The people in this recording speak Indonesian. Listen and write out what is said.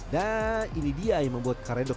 nah ini dia yang membuat karedok